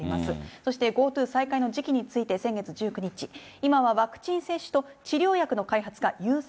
そしてＧｏＴｏ再開の時期について先月１９日、今はワクチン接種と治療薬の開発が優先。